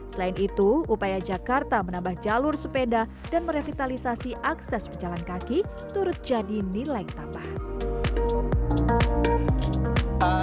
selain itu upaya jakarta menambah jalur sepeda dan merevitalisasi akses pejalan kaki turut jadi nilai tambahan